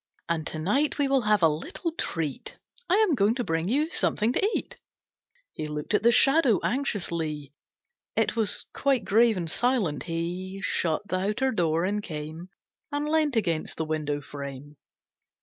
And to night we will have a little treat. I am going to bring you something to eat!" He looked at the Shadow anxiously. It was quite grave and silent. He Shut the outer door and came And leant against the window frame.